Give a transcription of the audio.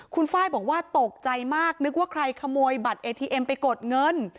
คุณไฟล์บอกว่าตกใจมากนึกว่าใครขโมยบัตรเอทีเอ็มไปกดเงิน